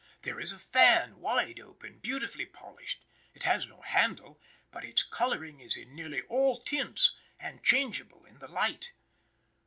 There is a fan, wide open, beautifully polished; it has no handle, but its coloring is in nearly all tints, and changeable in the light.